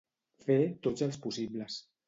Fer tots els possibles.